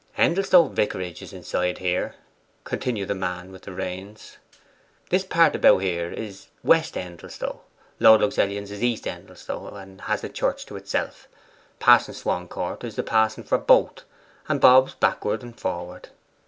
'Endelstow Vicarage is inside here,' continued the man with the reins. 'This part about here is West Endelstow; Lord Luxellian's is East Endelstow, and has a church to itself. Pa'son Swancourt is the pa'son of both, and bobs backward and forward.